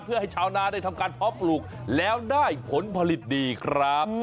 เพื่อให้ชาวนาได้ทำการเพาะปลูกแล้วได้ผลผลิตดีครับ